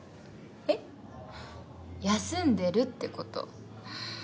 えっ？休んでるって事。